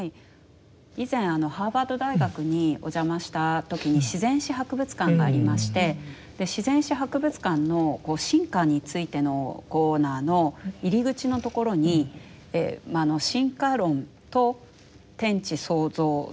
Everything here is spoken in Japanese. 以前ハーバード大学にお邪魔した時に自然史博物館がありまして自然史博物館の進化についてのコーナーの入り口のところに進化論と天地創造説とＩＤ論